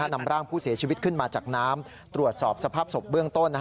นำร่างผู้เสียชีวิตขึ้นมาจากน้ำตรวจสอบสภาพศพเบื้องต้น